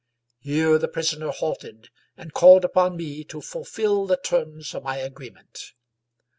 Here the prisoner halted and called upon me to fulfill the terms of my agree ment.